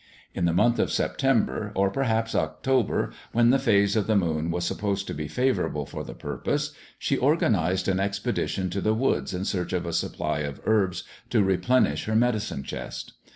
In the month of September, or perhaps October, when the phase of the moon was supposed to be favourable for the purpose, she organized an expedition to the woods in search of a supply of herbs to replenish her medicine chest.